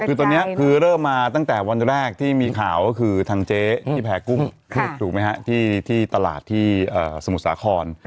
คือตอนนี้คือเริ่มมาตั้งแต่วันแรกที่มีข่าวก็คือทางเจ๊ที่แพ้กุ้งถูกไหมฮะที่ตลาดที่สมุทรสาคร